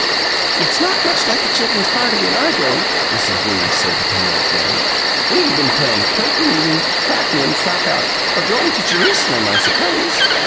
"It's not much like a children's party in our day," Mrs. Williams said to Penrod's mother. "We'd have been playing 'Quaker meeting,' 'Clap in, Clap out,' or 'Going to Jerusalem,' I suppose."